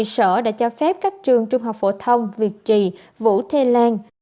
sở đã cho phép các trường trung học phổ thông việt trì vũ thê lan